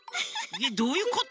えっどういうこと？